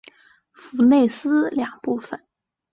弗内斯两部分。